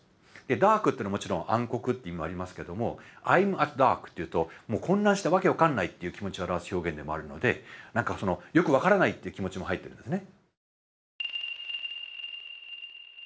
ダークってのはもちろん暗黒って意味もありますけども「Ｉ’ｍａｔｄａｒｋ」って言うと「混乱してわけ分かんない」っていう気持ちを表す表現でもあるのでなんかよく分からないって気持ちも入ってるんですね。